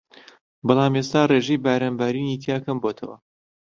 بەڵام ئێستا ڕێژەی باران بارینی تیا کەم بۆتەوە